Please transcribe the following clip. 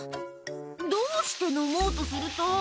「どうして飲もうとすると」